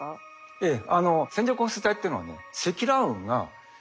ええ。